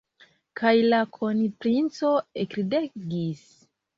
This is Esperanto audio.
Kaj la kronprinco ekridegis.